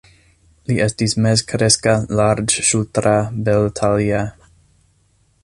Li estis mezkreska, larĝŝultra, beltalia.